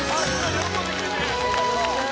喜んでくれてる。